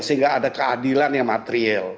sehingga ada keadilan yang material